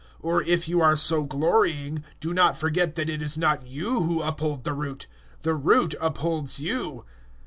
Or if you are so glorying, do not forget that it is not you who uphold the root: the root upholds you.